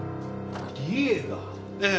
理恵が？ええ。